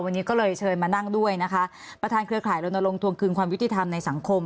วันนี้ก็เลยเชิญมานั่งด้วยนะคะประธานเครือข่ายรณรงควงคืนความยุติธรรมในสังคม